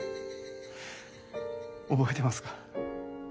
覚えてますか？